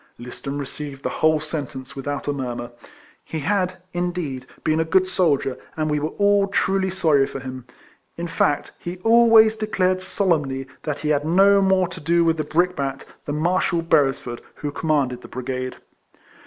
Liston received the whole sentence without a murmur. He had, indeed, been a good soldier, and we were all truly sorry for him; in fact, he always declared solemnly that he had no more to do with the brickbat than Marshal RLFLEMAN HARRIS. 149 Beresford who commanded the brigade.